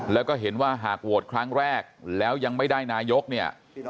แล้วก็เห็นว่าหากโหวตครั้งแรกแล้วยังไม่ได้นายกเนี่ย